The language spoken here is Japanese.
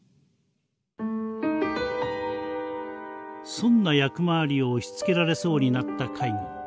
損な役回りを押しつけられそうになった海軍。